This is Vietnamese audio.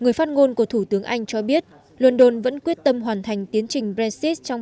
người phát ngôn của thủ tướng anh cho biết london vẫn quyết tâm hoàn thành tiến trình brexit trong